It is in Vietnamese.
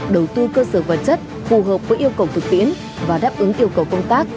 đầu tư cơ sở vật chất phù hợp với yêu cầu thực tiễn và đáp ứng yêu cầu công tác